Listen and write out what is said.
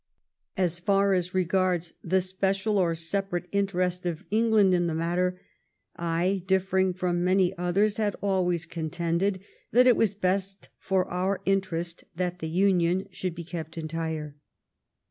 As far as regards the special or separate interest of England in the matter, I, differing from many others, had always contended that it was best for our interest that the Union should be kept entire."